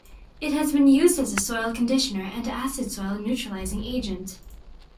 It has been used as a soil conditioner and acid soil neutralizing agent.